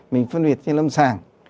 mình phân biệt trên lâm sàng